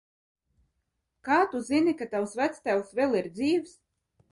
Kā tu zini, ka tavs vectēvs vēl ir dzīvs?